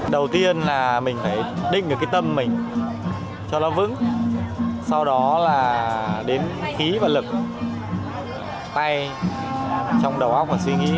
đầu tiên là mình phải định được cái tâm mình cho nó vững sau đó là đến khí và lực tay trong đầu óc và suy nghĩ